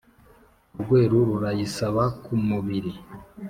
Urweru rurayisaba ku mubiri.